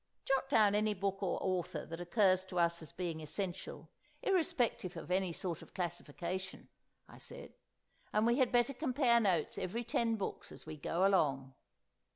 "Jot down any book or author that occurs to us as being essential, irrespective of any sort of classification," I said. "And we had better compare notes every ten books, as we go along."